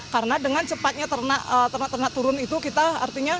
karena dengan cepatnya ternak ternak turun itu kita artinya